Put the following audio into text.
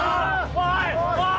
・おい！